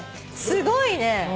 すごいね。